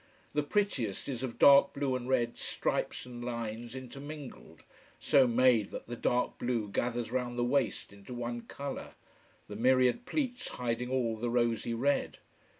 The prettiest is of dark blue and red, stripes and lines, intermingled, so made that the dark blue gathers round the waist into one colour, the myriad pleats hiding all the rosy red.